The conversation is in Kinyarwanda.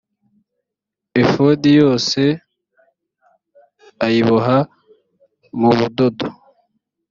efodi yose ayiboha mu budodo